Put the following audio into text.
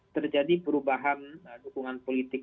terjadi perubahan dukungan politik